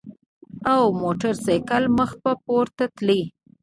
او موټر ساېکلې مخ پۀ پورته تللې ـ